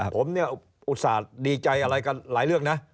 ผมเนี่ยอุตส่าห์ดีใจอะไรกันหลายเรื่องนะ